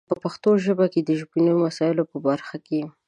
په پښتو ژبه کې د ژبنیو مسایلو په برخه کې